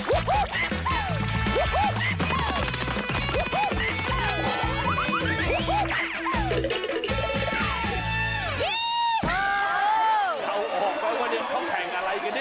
เอาออกก่อนเดียวเขาแข่งอะไรกันเนี่ย